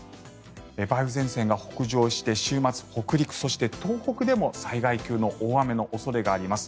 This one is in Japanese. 梅雨前線が北上して週末、北陸、そして東北でも災害級の大雨の恐れがあります。